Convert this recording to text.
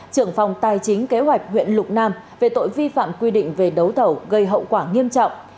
trưởng phòng tài chính kế hoạch huyện lục nam về tội vi phạm quy định về đấu thầu gây hậu quả nghiêm trọng